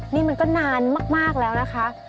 นี่มันก็นานมากแล้วนะคะ